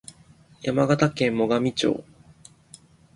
山形県最上町